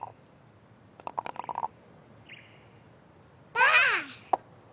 ばあっ！